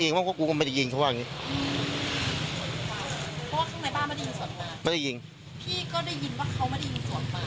เพราะว่าข้างในบ้านไม่ได้ยิงส่วนบ้านไม่ได้ยิงพี่ก็ได้ยินว่าเขาไม่ได้ยิงส่วนบ้าน